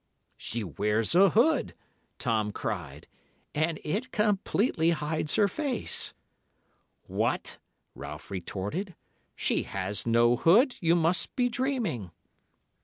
"'She wears a hood,' Tom cried, 'and it completely hides her face.' "'What!' Ralph retorted; 'she has no hood, you must be dreaming.